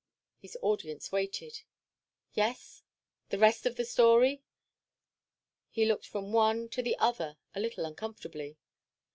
His audience waited. Yes? The rest of the story? He looked from one to the other a little uncomfortably.